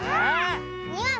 ああ！